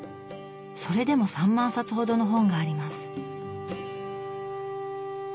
それでも３万冊ほどの本があります。